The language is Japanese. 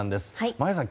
眞家さん